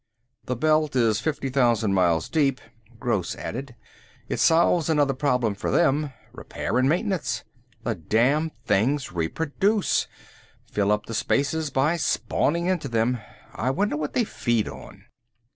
"The belt is fifty thousand miles deep," Gross added. "It solves another problem for them, repair and maintenance. The damn things reproduce, fill up the spaces by spawning into them. I wonder what they feed on?"